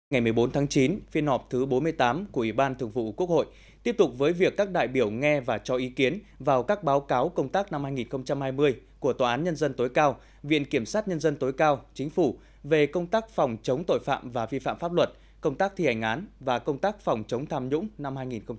ngày một mươi bốn tháng chín phiên họp thứ bốn mươi tám của ủy ban thường vụ quốc hội tiếp tục với việc các đại biểu nghe và cho ý kiến vào các báo cáo công tác năm hai nghìn hai mươi của tòa án nhân dân tối cao viện kiểm sát nhân dân tối cao chính phủ về công tác phòng chống tội phạm và vi phạm pháp luật công tác thi hành án và công tác phòng chống tham nhũng năm hai nghìn hai mươi